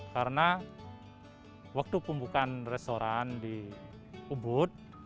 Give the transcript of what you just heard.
karena waktu pembukaan restoran di ubud